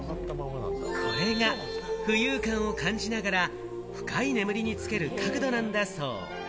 これが浮遊感を感じながら、深い眠りにつける角度なんだそう。